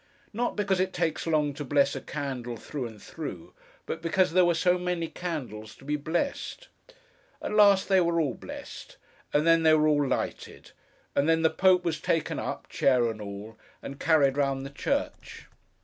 Not because it takes long to bless a candle through and through, but because there were so many candles to be blessed. At last they were all blessed: and then they were all lighted; and then the Pope was taken up, chair and all, and carried round the church.